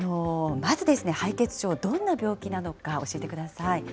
まず、敗血症、どんな病気なのか教えてください。